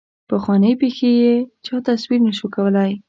پخوانۍ پېښې یې چا تصور نه شو کولای.